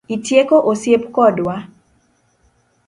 Itieko osiep kodwa?